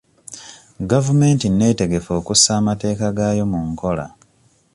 Gavumenti nneetegefu okussa amateeka gaayo mu nkola.